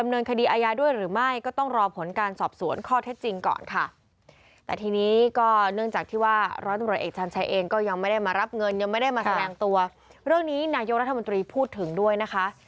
ณยกรัฐมนตรีพูดถึงด้วยนะคะ